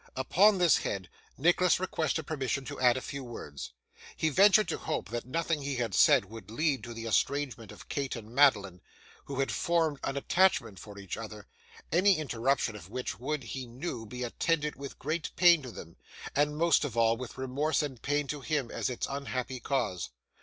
Upon this head, Nicholas requested permission to add a few words. He ventured to hope that nothing he had said would lead to the estrangement of Kate and Madeline, who had formed an attachment for each other, any interruption of which would, he knew, be attended with great pain to them, and, most of all, with remorse and pain to him, as its unhappy cause.